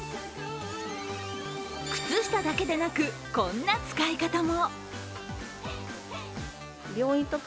靴下だけでなく、こんな使い方も。